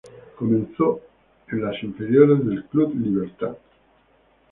Comenzó en las inferiores del Club Libertad.